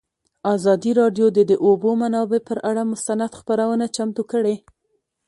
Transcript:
ازادي راډیو د د اوبو منابع پر اړه مستند خپرونه چمتو کړې.